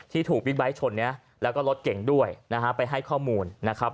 ถูกบิ๊กไบท์ชนเนี่ยแล้วก็รถเก่งด้วยนะฮะไปให้ข้อมูลนะครับ